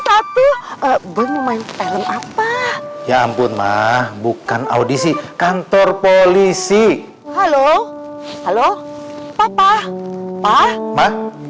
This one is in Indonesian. apa apa ya ampun mah bukan audisi kantor polisi halo halo papa papa